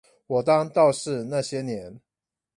我當道士那些年